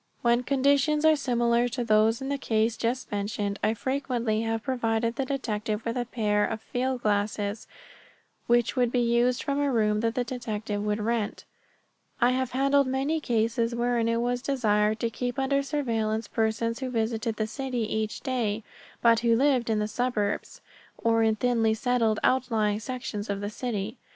When conditions are similar to those in the case just mentioned I frequently have provided the detective with a pair of field glasses which would be used from a room that the detective would rent. I have handled many cases wherein it was desired to keep under surveillance persons who visited the city each day, but who lived in the suburbs, or in thinly settled outlying sections of the city.